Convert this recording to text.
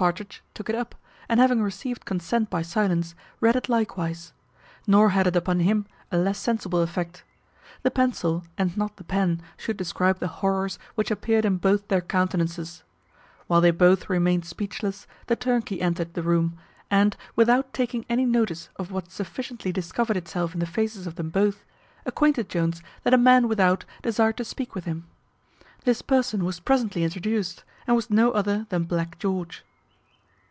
Partridge took it up, and having received consent by silence, read it likewise; nor had it upon him a less sensible effect. The pencil, and not the pen, should describe the horrors which appeared in both their countenances. While they both remained speechless the turnkey entered the room, and, without taking any notice of what sufficiently discovered itself in the faces of them both, acquainted Jones that a man without desired to speak with him. This person was presently introduced, and was no other than Black George.